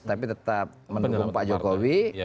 tapi tetap mendukung pak jokowi